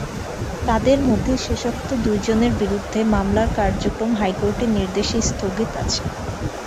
তাঁদের মধ্যে শেষোক্ত দুজনের বিরুদ্ধে মামলার কার্যক্রম হাইকোর্টের নির্দেশে স্থগিত আছে।